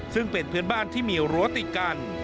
ซึ่งเป็นเพื่อนบ้านที่มีรั้วติดกัน